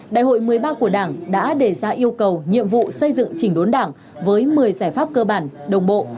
đại hội một mươi ba của đảng đã đề ra yêu cầu nhiệm vụ xây dựng chỉnh đốn đảng với một mươi giải pháp cơ bản đồng bộ